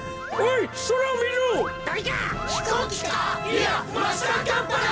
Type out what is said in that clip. いやマスターカッパーだ！